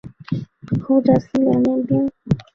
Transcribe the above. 后在汴梁练兵。